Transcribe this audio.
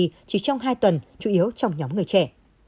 nam phi chỉ trong hai tuần chủ yếu trong nhóm người trẻ